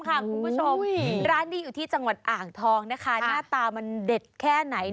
คุณผู้ชมร้านนี้อยู่ที่จังหวัดอ่างทองนะคะหน้าตามันเด็ดแค่ไหน